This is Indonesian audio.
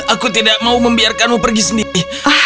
aku tidak mau membiarkanmu pergi sendiri